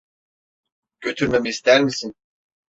Götürmemi ister misin?